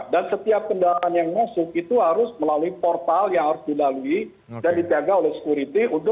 dan setiap kendaraan yang masuk itu harus melalui portal yang harus dilalui dan ditiaga oleh sekuriti